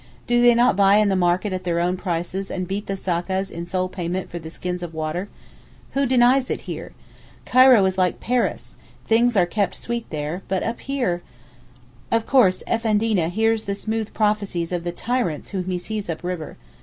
Do they not buy in the market at their own prices and beat the sakkas in sole payment for the skins of water? Who denies it here? Cairo is like Paris, things are kept sweet there, but up here—! Of course Effendina hears the 'smooth prophecies' of the tyrants whom he sends up river.